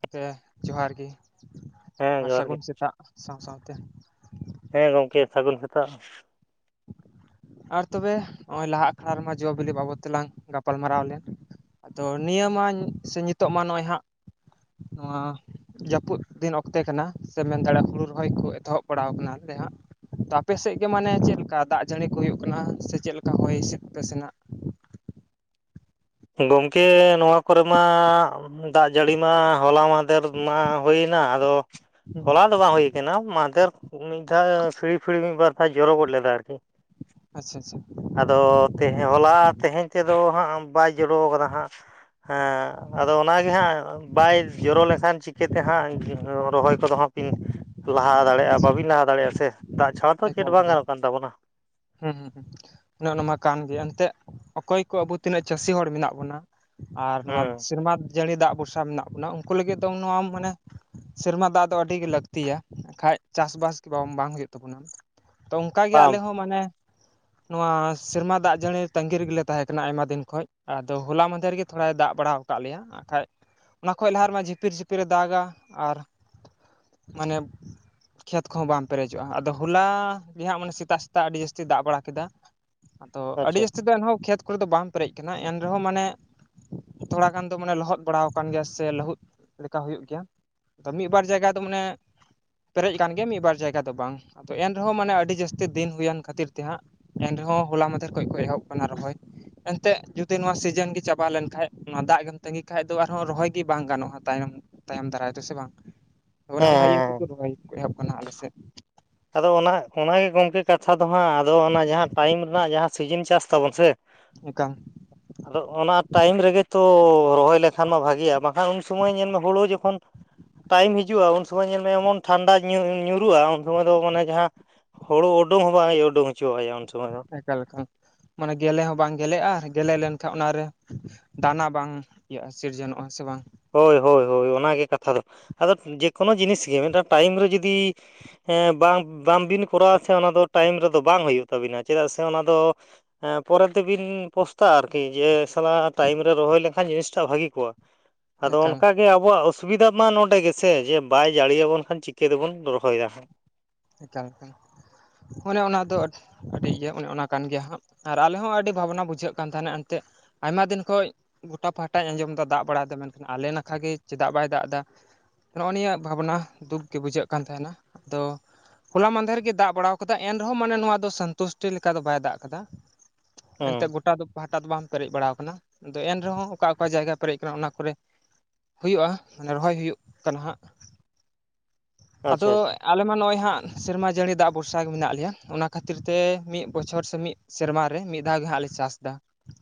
ᱜᱚᱝᱠᱮ ᱡᱚᱦᱟᱨ ᱜᱮ ᱦᱮᱸ ᱟᱨ ᱡᱚᱦᱟᱨ ᱜᱮ ᱥᱟᱹᱜᱩᱱ ᱥᱮᱛᱟᱜ ᱥᱟᱶ ᱥᱟᱶᱛᱮ ᱾ ᱦᱮᱸ ᱜᱚᱝᱠᱮ ᱥᱟᱹᱜᱩᱱ ᱥᱮᱛᱟᱜ ᱾ ᱟᱨ ᱛᱚᱵᱮ ᱚᱭ ᱞᱟᱦᱟ ᱟᱠᱷᱲᱟ ᱨᱮᱢᱟ ᱡᱚ-ᱵᱤᱞᱤ ᱵᱟᱵᱚᱫ ᱛᱮᱞᱟᱝ ᱜᱟᱯᱟᱞᱢᱟᱨᱟᱣ ᱞᱮᱱ ᱾ ᱟᱫᱚ ᱱᱤᱭᱟᱹᱢᱟᱧ ᱥᱮ ᱧᱤᱛᱚᱜ ᱢᱟ ᱱᱚᱜᱼᱚᱭ ᱦᱟᱜ ᱱᱚᱣᱟ ᱡᱟᱹᱯᱩᱫ ᱫᱤᱱ ᱚᱠᱛᱮ ᱠᱟᱱᱟ ᱥᱮ ᱢᱮᱱ ᱫᱟᱲᱮᱭᱟᱜ ᱦᱩᱲᱩ ᱨᱚᱦᱚᱭ ᱠᱚ ᱮᱛᱚᱦᱚᱵ ᱵᱟᱲᱟᱣ ᱠᱟᱱᱟ ᱱᱟᱞᱮ ᱦᱟᱜ᱾ ᱛᱟᱯᱮ ᱥᱮᱜ ᱜᱮ ᱢᱟᱱᱮ ᱪᱮᱞᱠᱟ ᱫᱟᱜ ᱡᱟᱹᱲᱤ ᱠᱚ ᱦᱩᱭᱩᱜ ᱠᱟᱱᱟ ᱥᱮ ᱪᱮᱫ ᱞᱮᱠᱟ ᱦᱚᱭ ᱦᱤᱸᱥᱤᱫ ᱟᱯᱮ ᱥᱮᱱᱟᱜ? ᱜᱚᱝᱠᱮ ᱱᱚᱣᱟ ᱠᱚᱨᱮ ᱢᱟ ᱫᱟᱜ ᱡᱟᱹᱲᱤ ᱢᱟ ᱦᱚᱞᱟ ᱢᱟᱸᱫᱷᱮᱨ ᱢᱟ ᱦᱩᱭᱮᱱᱟ ᱟᱫᱚ ᱦᱩᱸ ᱦᱚᱞᱟ ᱫᱚ ᱵᱟᱝ ᱦᱩᱭ ᱛᱮᱱᱟᱣ ᱢᱟᱸᱫᱮᱨ ᱢᱤᱫ ᱫᱷᱟᱣ ᱯᱷᱤᱣᱤ ᱯᱷᱤᱣᱤ ᱢᱤᱫ ᱵᱟᱨ ᱫᱷᱟᱣ ᱡᱚᱨᱚ ᱜᱚᱫ ᱞᱮᱫᱟ ᱟᱨᱠᱤ ᱾ ᱟᱪᱪᱷᱟ ᱟᱪᱪᱷᱟ ᱟᱫᱚ ᱛᱮᱦᱮ ᱦᱚᱞᱟ ᱛᱮᱦᱮᱧ ᱛᱮᱫᱚ ᱦᱟᱸᱜ ᱵᱟᱭ ᱡᱚᱨᱚ ᱠᱟᱫᱟ ᱦᱟᱸᱜ ᱾ ᱦᱮᱸ ᱟᱫᱚ ᱚᱱᱟᱜᱮ ᱦᱟᱸᱜ ᱵᱟᱭ ᱡᱚᱨᱚ ᱞᱮᱠᱷᱟᱱ ᱪᱤᱠᱟᱹᱛᱮ ᱦᱟᱸᱜ ᱡᱚ ᱨᱚᱦᱚᱭᱷ ᱠᱚ ᱫᱚᱦᱚ ᱠᱤᱱ ᱞᱟᱦᱟ ᱫᱟᱲᱮᱭᱟᱜᱼᱟ ᱵᱟᱵᱤᱱ ᱞᱟᱦᱟ ᱫᱟᱲᱮᱭᱟᱜᱼᱟ ᱥᱮ ᱫᱟᱜ ᱪᱷᱟᱲᱟ ᱛᱚ ᱪᱮᱫ ᱮᱠᱟᱞ ᱵᱟᱝ ᱮᱠᱟᱞ ᱜᱟᱱᱚᱜ ᱠᱟᱱ ᱛᱟᱵᱚᱱᱟ ᱾ ᱦᱩᱸ ᱦᱩᱸ ᱦᱩᱸ ᱚᱱᱮ ᱚᱱᱟ ᱢᱟ ᱠᱟᱱ ᱜᱤᱭᱟ ᱮᱱᱛᱮᱜ ᱚᱠᱚᱭ ᱠᱚ ᱟᱵᱚ ᱛᱤᱱᱟᱹᱜ ᱪᱟᱹᱥᱤ ᱦᱚᱲ ᱢᱮᱱᱟᱜ ᱵᱚᱱᱟ᱾ ᱟᱨ ᱱᱚᱣᱟᱫᱽ ᱦᱮᱸ ᱥᱤᱨᱢᱟᱫᱽ ᱡᱟᱹᱲᱤ ᱫᱟᱜ ᱵᱷᱩᱨᱥᱟ ᱢᱮᱱᱟᱜ ᱵᱚᱱᱟ ᱩᱱᱠᱩ ᱞᱟᱹᱜᱤᱫ ᱫᱚᱝ ᱱᱚᱣᱟᱢ ᱢᱟᱱᱮ ᱥᱮᱨᱢᱟ ᱫᱟᱜ ᱫᱚ ᱟᱹᱰᱤᱜᱮ ᱞᱟᱹᱠᱛᱤᱭᱟ ᱵᱟᱠᱷᱟᱡ ᱪᱟᱥᱼᱵᱟᱥ ᱜᱮ ᱵᱟᱝ ᱦᱩᱭᱩᱜ ᱛᱟᱵᱚᱱᱟ ᱾ ᱛᱚ ᱚᱱᱠᱟᱜᱮ ᱟᱞᱮ ᱵᱟᱝ ᱦᱚᱸ ᱢᱟᱱᱮ ᱱᱚᱣᱟ ᱥᱮᱨᱢᱟ ᱫᱟᱜ ᱡᱟᱹᱲᱤ ᱛᱟᱸᱟᱹᱜᱤ ᱨᱮᱜᱮ ᱛᱟᱦᱮᱸ ᱠᱟᱱᱟ ᱟᱭᱢᱟ ᱫᱤᱱ ᱠᱷᱚᱱ ᱟᱫᱚ ᱦᱚᱞᱟ ᱢᱫᱷᱮᱨ ᱨᱮᱜᱮ ᱛᱷᱚᱲᱟᱭ ᱫᱟᱜ ᱵᱟᱲᱟ ᱟᱠᱟᱫ ᱞᱮᱭᱟ᱾ ᱟᱨᱠᱷᱟᱡ ᱚᱱᱟ ᱠᱷᱚᱡ ᱞᱟᱦᱟ ᱨᱮᱢᱟ ᱡᱷᱤᱯᱤᱨ ᱡᱷᱤᱯᱤᱨᱮ ᱫᱟᱜᱟ ᱟᱨ ᱢᱟᱱᱮ ᱠᱷᱮᱛ ᱠᱚᱦᱚᱸ ᱵᱟᱝᱢ ᱯᱮᱨᱮᱡᱚᱜᱼᱟ᱾ ᱟᱫᱚ ᱦᱚᱞᱟ ᱜᱮ ᱦᱟᱸᱜ ᱢᱟᱱᱮ ᱥᱮᱛᱟᱜ ᱥᱮᱛᱟᱜ ᱟᱹᱰᱤ ᱡᱟᱹᱥᱛᱤ ᱫᱟᱜ ᱵᱟᱲᱟ ᱠᱮᱫᱟ ᱟᱫᱚ ᱟᱹᱰᱤ ᱟᱪᱪᱷᱟ ᱡᱟᱹᱥᱛᱤ ᱫᱚ ᱮᱱᱦᱚᱸ ᱠᱷᱮᱛ ᱨᱮ ᱫᱚ ᱵᱟᱝ ᱯᱮᱨᱮᱡ ᱟᱠᱟᱱᱟ ᱮᱱ ᱨᱮᱦᱚᱸ ᱢᱟᱱᱮ ᱛᱷᱚᱲᱟ ᱜᱟᱱ ᱫᱚ ᱢᱟᱱᱮ ᱞᱚᱦᱚᱫ ᱵᱟᱲᱟ ᱟᱠᱟᱱ ᱜᱮᱭᱟ ᱥᱮ ᱞᱟᱹᱦᱩᱫ ᱞᱮᱠᱟ ᱦᱩᱭᱩᱜ ᱜᱮᱭᱟ᱾ ᱟᱫᱚ ᱢᱤᱫ ᱵᱟᱨ ᱡᱟᱭᱜᱟ ᱫᱚ ᱢᱟᱱᱮ ᱯᱮᱨᱮᱡ ᱟᱠ [unintelligible] ᱜᱮᱭᱟ ᱢᱤᱫ ᱵᱟᱨ ᱡᱟᱭᱜᱟ ᱫᱚ ᱵᱟᱝ ᱟᱫᱚ ᱮᱱ ᱨᱮᱦᱚᱸ ᱢᱟᱱᱮ ᱟᱹᱰᱤ ᱡᱟᱹᱥᱛᱤ ᱫᱤᱱ ᱦᱩᱭᱮᱱ ᱠᱷᱟᱹᱛᱤᱨ ᱛᱮ ᱦᱟᱸᱜ ᱮᱱ ᱨᱮᱦᱚᱸ ᱦᱚᱞᱟ ᱢᱟᱫᱷᱮᱨ ᱠᱷᱚᱱ ᱠᱚ ᱮᱦᱚᱵ ᱟᱠᱟᱱᱟ ᱨᱚᱦᱚᱭ ᱮᱱᱛᱮᱫ ᱡᱩᱫᱤ ᱱᱚᱣᱟ ᱥᱤᱡᱮᱱ ᱜᱮ ᱪᱟᱵᱟ ᱞᱮᱱᱠᱷᱟᱡ ᱚᱱᱟ ᱫᱟᱜ ᱜᱮᱢ ᱛᱟᱸᱜᱤ ᱠᱷᱟᱱᱡ ᱫᱚ ᱟᱨᱦᱚᱸ ᱨᱚᱦᱚᱭ ᱜᱮ ᱵᱟᱝ ᱜᱟᱱᱚᱜᱼᱟ ᱛᱟᱭᱚᱢ ᱛᱟᱭᱚᱢ ᱫᱟᱨᱟᱭ ᱛᱮ ᱥᱮ ᱵᱟᱝ ᱦᱮᱸ ᱚᱱᱮ ᱦᱮᱸ ᱚᱱᱟ ᱤᱭᱟᱹ ᱦᱮᱸ ᱛᱮᱠᱚ ᱨᱚᱦᱚᱭ ᱮᱦᱚᱵ ᱟᱠᱟᱱᱟ ᱟᱞᱮ ᱥᱮᱫ᱾ ᱟᱫᱚ ᱚᱱᱟ ᱚᱱᱟᱜᱮ ᱜᱚᱝᱠᱮ ᱠᱟᱛᱷᱟ ᱫᱚ ᱦᱟᱸᱜ ᱟᱫᱚ ᱚᱱᱟ ᱡᱟᱦᱟᱸ ᱴᱟᱭᱤᱢ ᱨᱮᱱᱟᱜ ᱡᱟᱦᱟᱸ ᱥᱤᱡᱤᱱ ᱪᱟᱥ ᱛᱟᱵᱚᱱ ᱥᱮ ᱮᱚᱱᱠᱟᱟᱱ ᱟᱫᱚ ᱚᱱᱟ ᱴᱟᱭᱤᱢ ᱨᱮᱜᱮ ᱛᱚ ᱨᱚᱦᱚᱭ ᱞᱮᱠᱷᱟᱱ ᱢᱟ ᱵᱷᱟᱜᱤᱜᱼᱟ, ᱵᱟᱝᱠᱷᱟᱱ ᱩᱱ ᱥᱚᱢᱚᱭ ᱧᱮᱞ ᱢᱮ ᱦᱩᱲᱩ ᱡᱚᱠᱷᱚᱱ ᱴᱟᱭᱤᱢ ᱦᱤᱡᱩᱜᱼᱟ, ᱩᱱ ᱥᱢᱚᱭ ᱧᱮᱞᱢ ᱮᱢᱚᱱ ᱴᱷᱟᱱᱰᱟ ᱧᱩᱨᱩᱜᱼᱟ᱾ ᱩᱱ ᱥᱚᱢᱚᱭ ᱫᱚ ᱢᱟᱱᱮ ᱡᱟᱦᱟᱸ ᱦᱩᱲᱩ ᱩᱰᱩᱝ ᱦᱚᱸ ᱵᱟᱝ ᱦᱩᱭᱩᱜᱼᱟ ᱩᱰᱩᱝ ᱦᱚᱪᱚᱣᱟᱭᱼᱟ ᱩᱱ ᱥᱚᱢᱚᱭ ᱫᱚ᱾ [unintelligible] ᱢᱟᱱᱮ ᱜᱮᱞᱮ ᱦᱚᱸ ᱵᱟᱝ ᱜᱮᱞᱮᱜᱼᱟ᱾ ᱜᱮᱞᱮᱫ ᱞᱮᱱᱠᱷᱟᱱ ᱚᱱᱟᱨᱮ ᱫᱟᱱᱟ ᱵᱟᱝ ᱤᱭᱟᱹᱜᱼᱟ ᱥᱤᱨᱡᱚᱱᱚᱜᱼᱟ᱾ ᱥᱮ ᱵᱟᱝ? ᱦᱳᱭ ᱦᱳᱭ ᱦᱳᱭ ᱚᱱᱟᱜᱮ ᱠᱟᱛᱷᱟ ᱫᱚ ᱟᱫᱚ ᱡᱮᱠᱳᱱᱳ ᱡᱤᱱᱤᱥ ᱜᱮ ᱢᱤᱫᱴᱟᱱ ᱴᱟᱭᱤᱢ ᱨᱮ ᱡᱩᱫᱤ ᱦᱮᱸ ᱵᱟᱝ ᱵᱟᱝᱵᱤᱱ ᱠᱚᱨᱟᱣᱟ ᱥᱮ ᱚᱱᱟ ᱫᱚ ᱴᱟᱭᱤᱢ ᱨᱮᱫᱚ ᱵᱟᱝ ᱦᱩᱭᱩᱜ ᱛᱟᱵᱤᱱᱟ ᱪᱮᱫᱟᱜ ᱥᱮ ᱚᱱᱟ ᱫᱚ ᱯᱚᱨᱮ ᱛᱮᱵᱤᱱ ᱯᱚᱥᱛᱟᱟᱜᱼᱟ, ᱟᱨᱠᱤ ᱡᱮ ᱥᱟᱞᱟ ᱴᱟᱭᱤᱢ ᱨᱮ ᱨᱚᱦᱚᱭ ᱞᱮᱱᱠᱷᱟᱱ ᱡᱤᱱᱤᱥᱴᱟᱜ ᱵᱷᱟᱹᱜᱤ ᱠᱚᱜᱼᱟ᱾ ᱟᱫᱚ ᱮᱠᱟᱞ ᱚᱱᱠᱟ ᱜᱮ ᱜᱮ ᱟᱵᱚᱣᱟᱜ ᱚᱥᱩᱵᱤᱫᱟ ᱢᱟ ᱱᱚᱸᱰᱮ ᱜᱮᱥᱮ ᱡᱮ ᱵᱟᱭ ᱡᱟᱹᱲ ᱟᱵᱚᱱ ᱠᱷᱟᱱ ᱪᱤᱠᱟᱹ ᱛᱮᱵᱚᱱ ᱨᱚᱦᱚᱭᱟ ᱦᱟᱸᱜ? ᱮᱠ [unintelligible] ᱚᱱᱮ ᱚᱱᱟ ᱫᱚ ᱟᱹᱰᱤ ᱤᱭᱟᱹ ᱚᱱᱮ ᱚᱱᱟ ᱠᱟᱱ ᱜᱮᱭᱟ ᱦᱟᱸᱜ ᱟᱨ ᱟᱞᱮ ᱦᱚᱸ ᱟᱹᱰᱤ ᱵᱷᱟᱵᱽᱱᱟ ᱵᱩᱡᱷᱟᱹᱜ ᱠᱟᱱ ᱛᱟᱦᱮᱱᱟ ᱮᱱᱛᱮᱫ᱾ ᱟᱭᱢᱟ ᱫᱤᱱ ᱠᱷᱚᱱ ᱜᱚᱴᱟ ᱯᱟᱦᱴᱟᱧ ᱟᱸᱡᱚᱢ ᱮᱫᱟ ᱫᱟᱜ ᱵᱟᱲᱟᱭᱮᱫ ᱢᱮᱱᱠᱷᱟᱱ ᱟᱞᱮ ᱱᱟᱠᱷᱟ ᱜᱮ ᱪᱮᱫᱟᱜ ᱵᱟᱭ ᱫᱟᱜ ᱮᱫᱟ᱾ ᱱᱚᱜᱼᱚᱭ ᱱᱤᱭᱟᱹ ᱵᱷᱟᱵᱽᱱᱟ ᱫᱩᱠ ᱜᱮ ᱵᱩᱡᱷᱟᱹᱜ ᱠᱟᱱ ᱛᱟᱦᱮᱱᱟ᱾ ᱟᱫᱚ, ᱦᱚᱞᱟ ᱢᱫᱷᱮᱨ ᱜᱮ ᱫᱟᱜ ᱵᱟᱲᱟᱣ ᱟᱠᱟᱫᱟ ᱮᱱᱨᱮᱦᱚᱸ ᱢᱟᱱᱮ ᱱᱚᱣᱟ ᱫᱚ ᱥᱚᱱᱛᱩᱥᱴᱤ ᱞᱮᱠᱟ ᱫᱚ ᱵᱟᱭ ᱫᱟᱜ ᱟᱠᱟᱫᱟ᱾ ᱮᱱᱛᱜ ᱦᱮᱸ ᱜᱚᱴᱟ ᱫᱚ ᱯᱟᱦᱴᱟ ᱫᱚ ᱵᱟᱝ ᱯᱮᱨᱮᱡ ᱵᱟᱲᱟ ᱟᱠᱟᱱᱟ ᱟᱫᱚ ᱮᱱᱨᱮᱦᱚᱸ ᱚᱠᱟ ᱚᱠᱟ ᱡᱟᱭᱜᱟ ᱯᱮᱨᱮᱡ ᱟᱠᱟᱱᱟ ᱚᱱᱟ ᱠᱚᱨᱮ ᱦᱩᱭᱩᱜᱼᱟ ᱾ᱢᱟᱱᱮ ᱨᱚᱦᱚᱭ ᱦᱩᱭᱩᱜ ᱠᱟᱱᱟ ᱦᱟᱸᱜ ᱟᱪᱪᱷᱟ ᱟᱫᱚ ᱟᱪᱪᱷᱟ ᱟᱞᱮ ᱢᱟ ᱱᱚᱜᱼᱚᱭ ᱦᱟᱸᱜ ᱥᱮᱨᱢᱟ ᱡᱟᱹᱲᱤ ᱫᱟᱜ ᱵᱷᱚᱨᱥᱟ ᱜᱮ ᱢᱮᱱᱟᱜ ᱞᱮᱭᱟ ᱚᱱᱟ ᱠᱷᱟᱹᱛᱤᱨ ᱛᱮ ᱢᱤᱫ ᱵᱚᱪᱷᱚᱨ ᱥᱮ ᱢᱤᱫ ᱥᱮᱨᱢᱟ ᱨᱮ ᱢᱤᱫ ᱫᱷᱟᱣ ᱜᱮ ᱦᱟᱸᱜ ᱞᱮ ᱪᱟᱥ ᱮᱫᱟ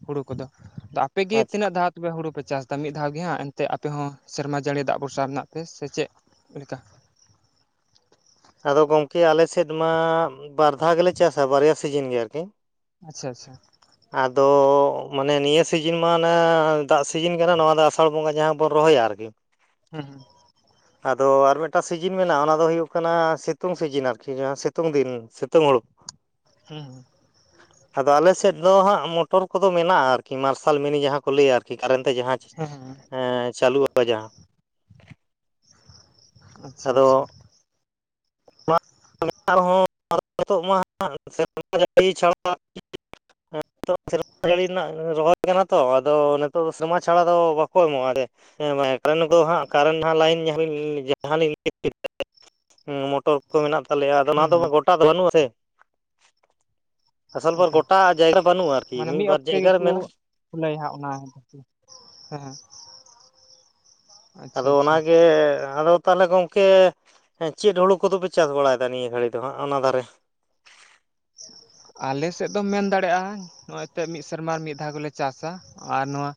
ᱦᱩᱲᱩ ᱠᱚᱫᱚ ᱟᱫᱚ ᱟᱯᱮᱜ ᱜᱮ ᱟᱪᱪᱷᱟ ᱛᱤᱱᱟᱹᱜ ᱫᱷᱟᱣ ᱚᱵᱮ ᱦᱩᱲᱩ ᱯᱮ ᱪᱟᱥ ᱮᱫᱟ ᱢᱤᱫ ᱫᱷᱟᱣ ᱜᱮ ᱦᱟᱸᱜ ᱮᱱᱛᱮᱫ ᱟᱯᱮ ᱦᱚᱸ ᱥᱮᱨᱢᱟ ᱡᱟᱹᱲᱤ ᱫᱟᱜ ᱵᱷᱚᱨᱥᱟ ᱨᱮᱱᱟᱜ ᱯᱮ ᱥᱮ ᱪᱮᱫ ᱞᱮᱠᱟ? ᱟᱫᱚ ᱜᱚᱢᱠᱮ ᱟᱞᱮ ᱥᱮᱫ ᱢᱟ ᱵᱟᱨ ᱫᱷᱟᱣ ᱜᱮᱞᱮ ᱪᱟᱥᱟ ᱵᱟᱨᱭᱟ ᱥᱤᱡᱤᱱ ᱜᱮ ᱟᱨᱠᱤ, ᱟᱪᱪᱷᱟ ᱟᱪᱪᱷᱟ ᱟᱫᱚ ᱢᱟᱱᱮ ᱱᱤᱭᱟᱹ ᱥᱤᱡᱤᱱ ᱢᱟ ᱮ ᱫᱟᱜ ᱥᱤᱡᱤᱱ ᱠᱟᱱᱟ ᱱᱚᱣᱟ ᱫᱚ ᱟᱥ ᱟᱥᱟᱲ ᱵᱚᱸᱜᱟ ᱡᱟᱦᱟᱸ ᱵᱚᱱ ᱨᱚᱦᱚᱭᱟ ᱟᱨᱠᱤ ᱦᱮᱸ ᱦᱩᱸ ᱟᱫᱚ ᱟᱨ ᱢᱤᱫᱴᱟᱝ ᱥᱤᱡᱤᱱ ᱢᱮᱱᱟᱜᱼᱟ ᱚᱱᱟ ᱫᱚ ᱦᱩᱭᱩᱜ ᱠᱟᱱᱟ ᱥᱤᱛᱩᱝ ᱥᱤᱡᱤᱱ ᱟᱨᱠᱤ ᱡᱟᱦᱟᱸ ᱥᱤᱛᱩᱝ ᱫᱤᱱ ᱥᱤᱛᱩᱝ ᱦᱳᱲᱩ᱾ ᱦᱮᱸ ᱦᱮᱸ ᱟᱫᱚ ᱟᱞᱮ ᱥᱮᱫ ᱫᱚ ᱦᱟᱸᱜ ᱢᱚᱴᱚᱨ ᱠᱚᱫᱚ ᱢᱮᱱᱟᱜᱼᱟ, ᱟᱨᱠᱤ ᱢᱟᱨᱥᱟᱞ ᱢᱤᱱᱤ ᱡᱟᱦᱟᱸ ᱠᱚ ᱞᱟᱹᱭᱟ ᱟᱨᱠᱤ ᱠᱟᱨᱮᱱ ᱛᱮ ᱡᱟᱦᱟᱸ ᱦᱩᱸ ᱦᱩᱸ ᱦᱩᱸ ᱦᱮᱸ ᱪᱟᱹᱞᱩᱜᱼᱟ ᱡᱟᱦᱟ ᱟᱪᱪᱷᱟ ᱟᱪᱪᱷᱟ ᱟᱫᱚ ᱚᱱᱟ ᱟᱨᱦᱚᱸ ᱱᱤᱛᱚᱜ ᱢᱟ ᱥᱮᱨᱢᱟ ᱡᱟᱹᱲᱤ ᱪᱷᱟᱲᱟ ᱱᱤᱛᱚᱜ ᱥᱮᱨᱢᱟ ᱡᱟᱹᱲᱤ ᱨᱮᱱᱟᱜ ᱨᱚᱦᱚᱭ ᱠᱟᱱᱟ ᱛᱚ ᱟᱫᱚ ᱱᱤᱛᱚᱜ ᱫᱚ ᱥᱮᱨᱢᱟ ᱪᱷᱟᱲᱟ ᱫᱚ ᱵᱟᱠᱚ ᱮᱢᱚᱜᱼᱟ ᱦᱮᱸ ᱠᱟᱨᱮᱱᱴ ᱫᱚ ᱦᱟᱸᱜ ᱠᱟᱨᱮᱱᱴ ᱦᱟᱸᱜ ᱞᱟᱭᱤᱱ ᱡᱟᱦᱟᱸ ᱞᱤᱧ ᱞᱟᱹᱭ ᱦᱮᱸ ᱢᱚᱴᱚᱨ ᱠᱚ ᱢᱮᱱᱟᱜ ᱛᱟᱞᱮᱭᱟ ᱟᱫᱚ ᱚᱱᱟ ᱦᱩᱸ ᱫᱚ ᱦᱩᱸ ᱜᱚᱴᱟ ᱫᱚ ᱵᱟᱹᱱᱩᱜ-ᱟ ᱥᱮ ᱟᱥᱚᱞ ᱵᱟᱨ ᱚᱱᱠᱟ ᱜᱚᱴᱟ ᱡᱟᱭᱜᱟ ᱵᱟᱹᱱᱩᱜᱼᱟ ᱟᱨᱠᱤ ᱢᱤᱫ ᱵᱟᱨ ᱡᱟᱭᱜᱟ ᱨᱮ ᱢᱮᱱᱟᱜᱼᱟ ᱠᱩᱞᱟᱹᱭ ᱦᱟᱸᱜ ᱚᱱᱟ ᱦᱮᱸ ᱟᱪᱪᱷᱟ ᱟᱫᱚ ᱟᱪᱪᱷᱟ ᱚᱱᱟ ᱜᱮ ᱟᱫᱚ ᱛᱟᱦᱚᱞᱮ ᱜᱚᱝᱠᱮ ᱪᱮᱫ ᱦᱩᱲᱩ ᱠᱚᱫᱚ ᱯᱮ ᱪᱟᱥ ᱵᱟᱲᱟᱭᱮᱫᱟ ᱱᱤᱭᱟᱹ ᱜᱷᱟᱹᱲᱤᱡ ᱫᱚ ᱦᱟᱸᱜ ᱚᱱᱟ ᱫᱷᱟᱨᱮ ᱟᱞᱮ ᱥᱮᱫ ᱫᱚᱢ ᱢᱮᱱᱫᱟᱲᱮᱭᱟᱜᱼᱟ ᱱᱚᱜ-ᱚᱭ ᱱᱤᱛᱟᱜ ᱢᱤᱫ ᱥᱮᱨᱢᱟ ᱨᱮ ᱢᱤᱫ ᱫᱷᱟᱣ ᱜᱮᱞᱮ ᱪᱟᱥᱟ ᱟᱨ ᱱᱚᱣᱟ